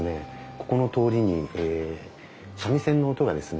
ここの通りに三味線の音がですね